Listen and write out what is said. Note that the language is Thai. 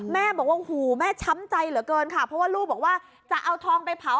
แม่บอกว่าโอ้โหแม่ช้ำใจเหลือเกินค่ะเพราะว่าลูกบอกว่าจะเอาทองไปเผา